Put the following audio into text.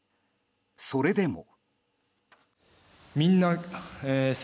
それでも。